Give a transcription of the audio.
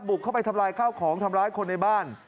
เข้าไปทำลายข้าวของทำร้ายคนในบ้าน